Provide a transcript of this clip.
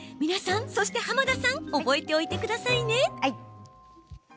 皆さん、そして濱田さん覚えておいてくださいね。